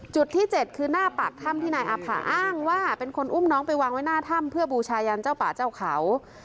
จุดที่๗คือหน้าปากถ้ำที่นายอาภาอ้างว่าเป็นคนอุ้มน้องไปวางไว้หน้าถ้ำเพื่อบูชายันเจ้าป่าเจ้าเขา